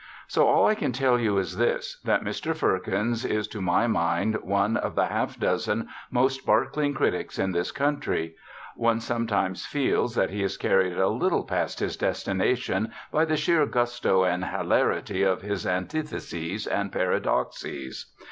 So all I can tell you is this, that Mr. Firkins is to my mind one of the half dozen most sparkling critics in this country. One sometimes feels that he is carried a little past his destination by the sheer gusto and hilarity of his antitheses and paradoxes.